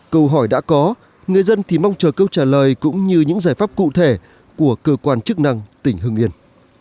câu hỏi đã có người dân thì mong chờ câu trả lời cũng như những giải pháp cụ thể của cơ quan chức năng tỉnh hưng yên